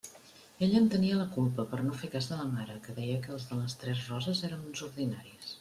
Ella tenia la culpa, per no fer cas de la mare, que deia que els de Les Tres Roses eren uns ordinaris.